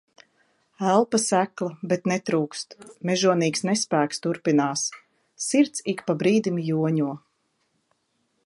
Elpa sekla, bet netrūkst. Mežonīgs nespēks turpinās. Sirds ik pa brīdim joņo...